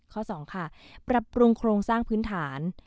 ข้อ๒ค่ะปรับปรุงโครงสร้างพื้นฐาน